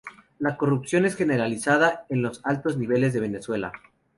La corrupción es generalizada en los altos niveles de Venezuela.